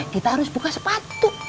kita harus buka sepatu